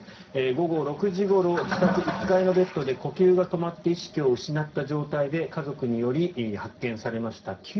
午後６時ごろ自宅１階のベットで呼吸が止まって意識を失った状態で家族により発見されました。